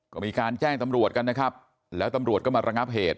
ก็มีการแจ้งตำรวจกันนะครับแล้วตำรวจก็มาระงับเหตุ